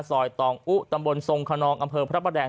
ตองอุตำบลทรงคนนองอำเภอพระประแดง